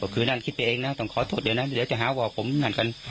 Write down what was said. คือนั่นคิดไปเองนะต้องขอโทษเดี๋ยวนะเดี๋ยวจะหาบอกผมนั่นกัน